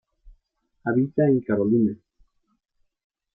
Habita en Carolina.